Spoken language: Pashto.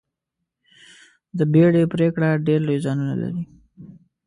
د بیړې پرېکړه ډېر لوی زیانونه لري.